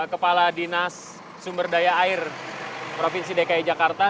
kepala dinas sumber daya air provinsi dki jakarta